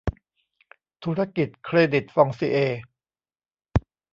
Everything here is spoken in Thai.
ธุรกิจเครดิตฟองซิเอร์